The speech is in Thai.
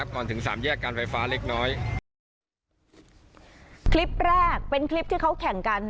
ก่อนถึงสามแยกการไฟฟ้าเล็กน้อยคลิปแรกเป็นคลิปที่เขาแข่งกัน